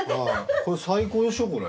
最高でしょこれ。